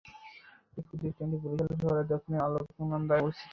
এই প্রতিষ্ঠানটি বরিশাল শহরের দক্ষিণ আলেকান্দায় অবস্থিত।